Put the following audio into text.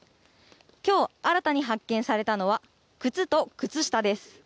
今日、新たに発見されたのは靴と靴下です。